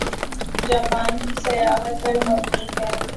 Japan کی سیاحت پر مبنی ہے